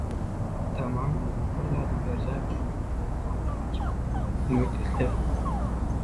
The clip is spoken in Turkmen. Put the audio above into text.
Tama - Bir zadyň berjaý bolmagyna, amala aşmagyna bolan umyt isleg.